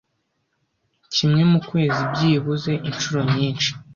kimwe mukwezi byibuze inshuro nyinshi